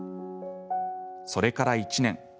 それから１年。